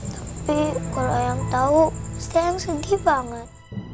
tapi kalo yang tau pasti yang sedih banget